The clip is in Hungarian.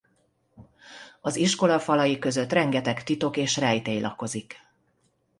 Az iskola falai között rengeteg titok és rejtély lakozik.